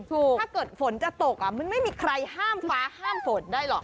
ถ้าเกิดฝนจะตกมันไม่มีใครห้ามฟ้าห้ามฝนได้หรอก